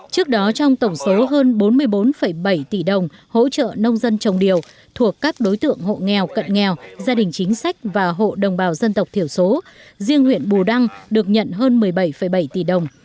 trước đó trong tổng số hơn bốn mươi bốn bảy tỷ đồng hỗ trợ nông dân trồng điều thuộc các đối tượng hộ nghèo cận nghèo gia đình chính sách và hộ đồng bào dân tộc thiểu số riêng huyện bù đăng được nhận hơn một mươi bảy bảy tỷ đồng